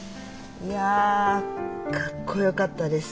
いやかっこよかったです。